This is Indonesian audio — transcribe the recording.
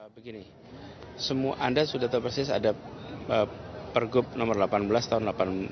begini semua anda sudah tahu persis ada pergub nomor delapan belas tahun dua ribu delapan belas